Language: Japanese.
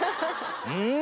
うん！